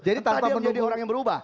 jadi tanpa mendukung orang yang berubah